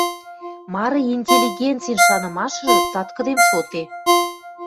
Мары интеллигенцин шанымашыжы цаткыдем шоде...